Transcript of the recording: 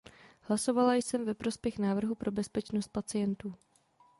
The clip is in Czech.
Hlasovala jsem ve prospěch návrhu pro bezpečnost pacientů.